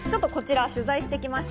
取材してきました。